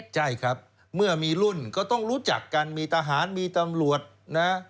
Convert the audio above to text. ใช่ครับเมื่อมีรุ่นก็ต้องรู้จักกันมีทหารมีตำรวจนะ